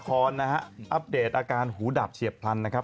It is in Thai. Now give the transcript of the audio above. อัพเดทอาการผู้ลำขึ้นหูดับเฉียบพันธุ์นะครับ